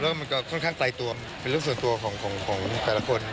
แล้วมันก็ค่อนข้างไกลตัวเป็นเรื่องส่วนตัวของแต่ละคน